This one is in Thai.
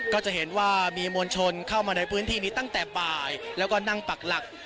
ก็จะเห็นว่ามีมวลชนเข้ามาในพื้นที่นี้ตั้งแต่บ่ายแล้วก็นั่งปักหลัก